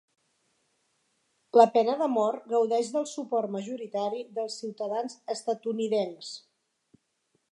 La pena de mort gaudeix del suport majoritari dels ciutadans estatunidencs.